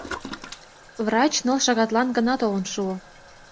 Врач ныл шагатлан гына толын шуо.